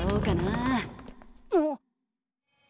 あっ。